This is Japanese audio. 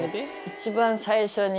一番最初に。